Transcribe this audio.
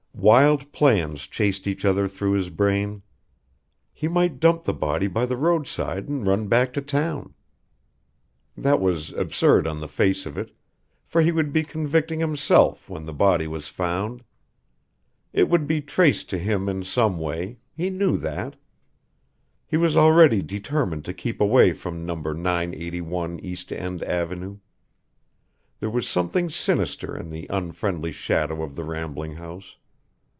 Wild plans chased each other through his brain. He might dump the body by the roadside and run back to town. That was absurd on the face of it, for he would be convicting himself when the body was found. It would be traced to him in some way he knew that. He was already determined to keep away from No. 981 East End Avenue. There was something sinister in the unfriendly shadow of the rambling house.